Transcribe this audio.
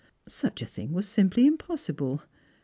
Such a thing was simply impossible.